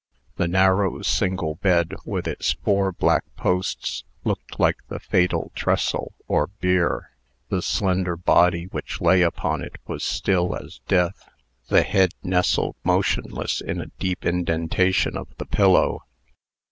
The narrow, single bed, with its four black posts, looked like the fatal trestle, or bier. The slender body which lay upon it was still as death. The head nestled motionless in a deep indentation of the pillow.